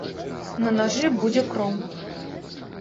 На нажы будзе кроў.